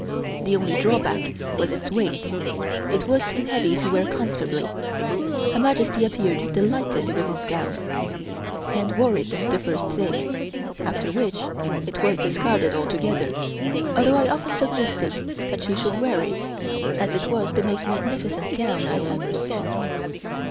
The only drawback was its weight; it was too heavy to wear comfortably. Her Majesty appeared delighted with this gown, and wore it the first day, after which it was discarded altogether, although I often suggested that she should wear it, as it was the most magnificent gown I ever saw.